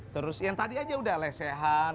terus yang tadi aja udah lesehan